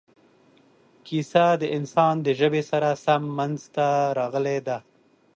کیسه د انسان د ژبې سره سم منځته راغلې ده.